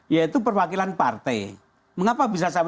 yaitu perwakilan partai mengapa bisa sampai